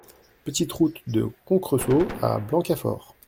Petite Route de Concressault à Blancafort